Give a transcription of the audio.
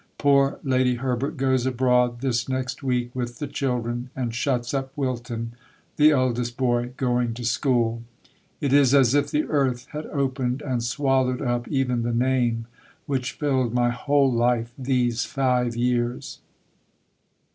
Poor Lady Herbert goes abroad this next week with the children and shuts up Wilton, the eldest boy going to school. It is as if the earth had opened and swallowed up even the Name which filled my whole life these five years.